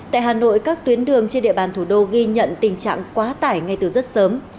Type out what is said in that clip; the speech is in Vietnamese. tại hà nội các tuyến đường trên địa bàn thủ đô ghi nhận tình trạng quá tải ngay từ rất sớm